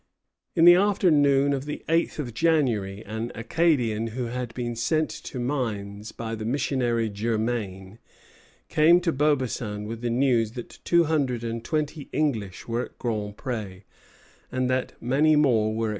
In the afternoon of the 8th of January an Acadian who had been sent to Mines by the missionary Germain, came to Beaubassin with the news that two hundred and twenty English were at Grand Pré, and that more were expected.